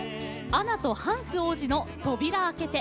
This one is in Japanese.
アナとハンス王子の「とびら開けて」。